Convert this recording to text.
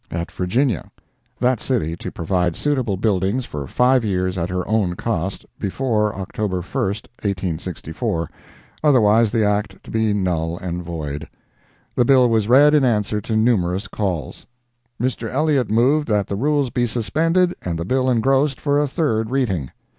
[At Virginia—that city to provide suitable buildings for 5 years at her own cost, before October 1, 1864—otherwise the Act to be null and void.] The bill was read in answer to numerous calls. Mr. Elliott moved that the rules be suspended and the bill engrossed for a third reading.